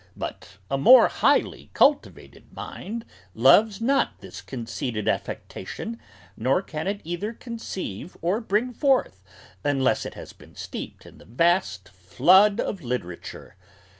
But a more highly cultivated mind loves not this conceited affectation, nor can it either conceive or bring forth, unless it has been steeped in the vast flood of literature.